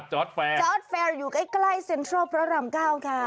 จอร์ดแฟร์จอร์ดแฟร์อยู่ใกล้เซ็นทรัลพระรำเก้าค่ะจอร์ดแฟร์